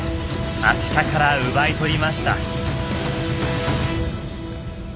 アシカから奪い取りました。